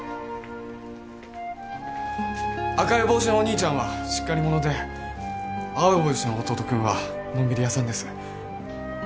赤い帽子のお兄ちゃんはしっかり者で青い帽子の弟君はのんびり屋さんです